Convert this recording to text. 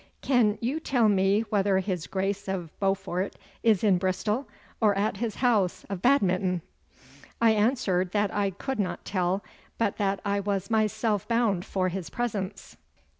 'Can you tell me whether his Grace of Beaufort is in Bristol or at his house o' Badminton?' I answered that I could not tell, but that I was myself bound for his presence.